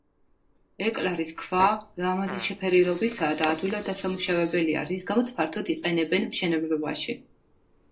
ეკლარის ქვა ლამაზი შეფერილობისაა და ადვილად დასამუშავებელია, რის გამოც ფართოდ იყენებენ მშენებლობაში.